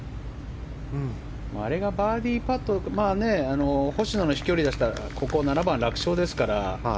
あれがバーディーパットなら星野の飛距離だとここ７番、楽勝ですから。